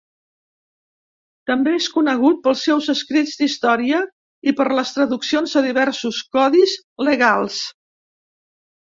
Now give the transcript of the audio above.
També és conegut pels seus escrits d'història i per les traduccions de diversos codis legals.